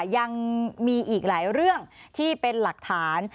ยังมีอีกหลายเรื่องที่เป็นหลักฐาน